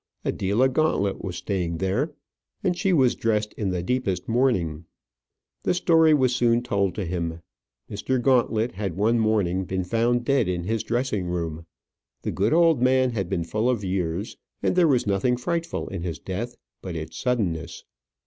Adela Gauntlet was staying there, and she was dressed in the deepest mourning. The story was soon told to him. Mr. Gauntlet had one morning been found dead in his dressing room. The good old man had been full of years, and there was nothing frightful in his death but its suddenness.